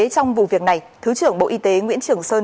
trong vụ việc này thứ trưởng bộ y tế nguyễn trường sơn